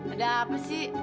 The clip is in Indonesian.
ada apa sih